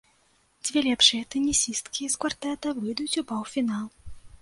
Дзве лепшыя тэнісісткі з квартэта выйдуць у паўфінал.